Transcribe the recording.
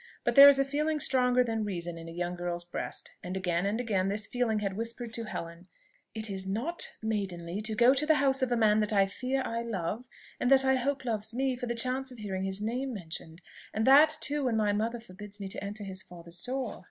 But there is a feeling stronger than reason in a young girl's breast; and again and again this feeling had whispered to Helen, "'It is not maidenly ' to go to the house of a man that I fear I love, and that I hope loves me, for the chance of hearing his name mentioned and that too when my mother forbids me to enter his father's doors."